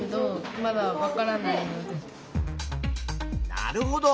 なるほど。